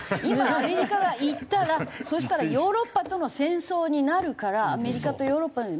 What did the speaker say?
今アメリカが行ったらそしたらヨーロッパとの戦争になるからアメリカとヨーロッパ。